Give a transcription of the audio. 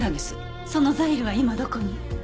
そのザイルは今どこに？